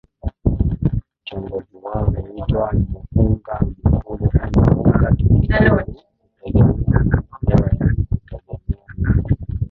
Kiongozi wao huitwa Muhunga Mkulu au Muhunga Dikulu kutegemea na eneo yaani kutegemea na